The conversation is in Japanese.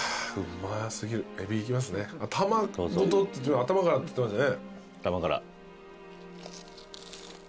頭からっつってましたね。